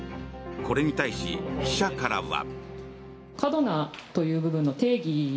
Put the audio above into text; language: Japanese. これに対し、記者からは。